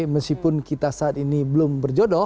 meskipun kita saat ini belum berjodoh